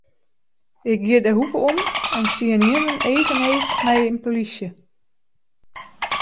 Ik gie de hoeke om en stie ynienen each yn each mei in polysje.